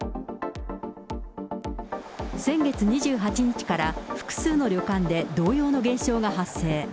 先月２８日から、複数の旅館で同様の現象が発生。